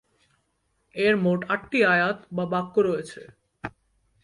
এর মোট আটটি আয়াত বা বাক্য রয়েছে।